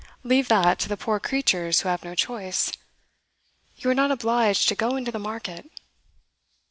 Leave that to the poor creatures who have no choice. You are not obliged to go into the market.